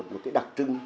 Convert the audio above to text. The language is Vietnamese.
một cái đặc trưng